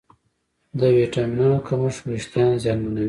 د ویټامینونو کمښت وېښتيان زیانمنوي.